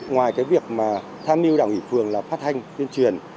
ngoài cái việc mà tham mưu đảng ủy phường là phát hành tuyên truyền